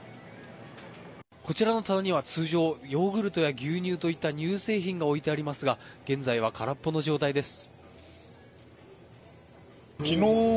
こちらの棚には通常ヨーグルトや牛乳といった乳製品が置いてありますが現在は空っぽの状態です。